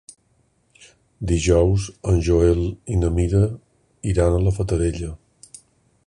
Dijous en Joel i na Mira iran a la Fatarella.